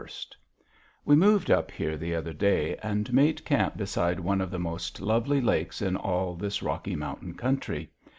_ We moved up here the other day and made camp beside one of the most lovely lakes in all this Rocky Mountain country.